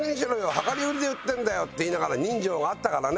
量り売りで売ってるんだよ」って言いながら人情があったからね